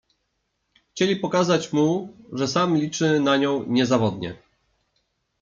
Chcieli pokazać mu, że sam liczy na nią niezawodnie.